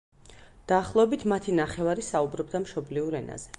დაახლოებით მათი ნახევარი საუბრობდა მშობლიურ ენაზე.